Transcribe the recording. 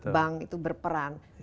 bank itu berperan